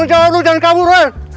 coba lu jangan kabur